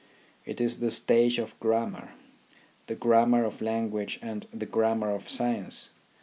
It is the stage of grammar, the grammar of lan guage and the grammar of science.